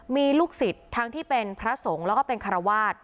มีลูกศิษย์ทั้งที่เป็นพระสงฆ์แล้วก็เป็นคารวาส